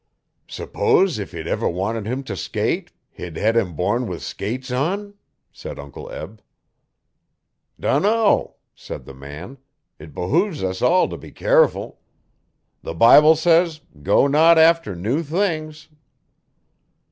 'S'pose if he'd ever wanted 'm t' skate he'd hed 'em born with skates on?' said Uncle Eb. 'Danno,' said the man. 'It behooves us all to be careful. The Bible says "Go not after new things."'